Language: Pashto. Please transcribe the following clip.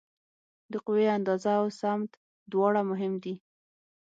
د قوې اندازه او سمت دواړه مهم دي.